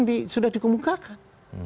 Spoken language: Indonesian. ini yang sudah dikemukakan